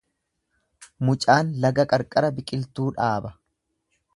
Mucaan laga qarqara biqiltuu dhaaba.